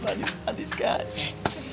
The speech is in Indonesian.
manis manis kak